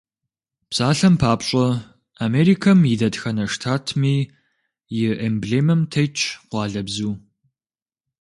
Псалъэм папщӀэ, Америкэм и дэтхэнэ штатми и эмблемэм тетщ къуалэбзу.